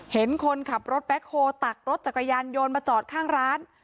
เห็นคนขับรถแบ็คโฮลตักรถจักรยานยนต์มาจอดข้างร้าน